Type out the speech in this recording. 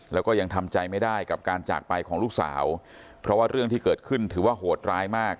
แล้วก็ยังทำใจไม่ได้กับการจากไปของลูกสาวเพราะว่าเรื่องที่เกิดขึ้นถือว่าโหดร้ายมาก